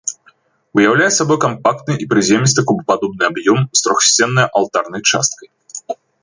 Уяўляе сабой кампактны і прыземісты кубападобны аб'ём з трохсценнай алтарнай часткай.